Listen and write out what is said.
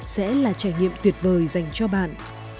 sẽ là trải nghiệm tuyệt vời dành cho bạn